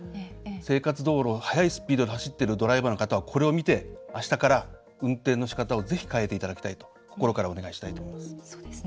生活道路を速いスピードで走っているドライバーの方は、これを見てあしたから運転のしかたをぜひ変えていただきたいと心からお願いしたいと思います。